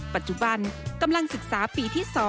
ปัจจุบันกำลังศึกษาปีที่๒